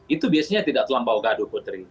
itu biasanya tidak terlampau gaduh putri